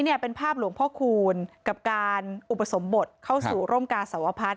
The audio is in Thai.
เนี่ยเป็นภาพหลวงพ่อคูณกับการอุปสมบทเข้าสู่ร่มกาสวพัฒน์